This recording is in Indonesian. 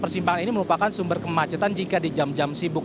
persimpangan ini merupakan sumber kemacetan jika di jam jam sibuk